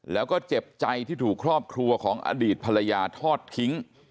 แล้วก็เจ็บใจที่ถูกครอบครัวของอดีตภรรยาทอดทิ้ง